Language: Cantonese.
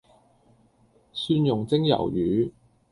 蒜茸蒸魷魚